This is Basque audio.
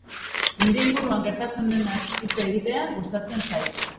Nire inguruan gertatzen denaz hitz egitea gustatzen zait.